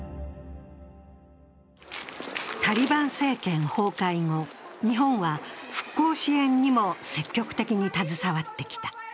タリバン政権崩壊後、日本は復興支援にも積極的に携わってきた。